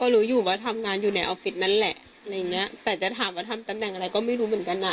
ก็รู้อยู่ว่าทำงานอยู่ในออฟฟิศนั่นแหละแต่จะถามว่าทำตำแหน่งอะไรก็ไม่รู้เหมือนกัน